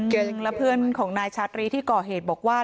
เก่งและเพื่อนของนายชาตรีที่ก่อเหตุบอกว่า